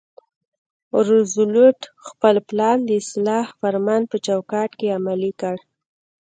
روزولټ خپل پلان د اصلاح فرمان په چوکاټ کې عملي کړ.